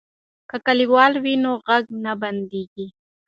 که کلیوال وي نو غږ نه بندیږي.